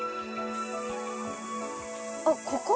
あっここ？